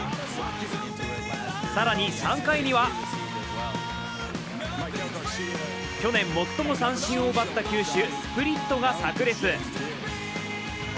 更に、３回には去年、最も三振を奪った球種、スプリットがさく裂。